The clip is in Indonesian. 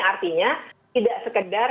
artinya tidak sekedar